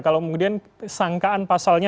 kalau kemudian sangkaan pasalnya